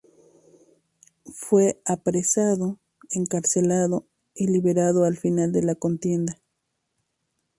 Fue apresado, encarcelado y liberado al final de la contienda.